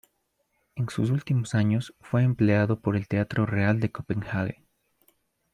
En sus últimos años fue empleado por el Teatro Real de Copenhague.